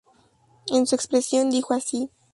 En su expresión dijo así.